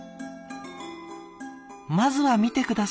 まずは見て下さい。